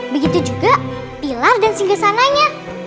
begitu juga pilar dan singesananya